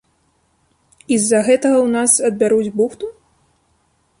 І з-за гэтага ў нас адбяруць бухту?